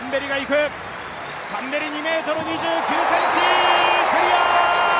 タンベリ、２ｍ２９ｃｍクリア！